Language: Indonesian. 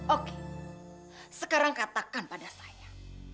oke sekarang katakan pada saya